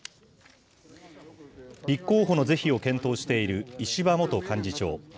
立候補の是非を検討している石破元幹事長。